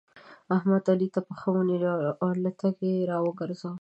احمد؛ علي ته پښه ونيوله او له تګه يې راوګرځاوو.